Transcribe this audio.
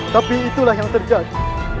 tapi itulah yang terjadi